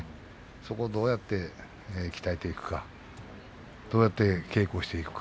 そこをどうやって鍛えていくかどうやって稽古していくか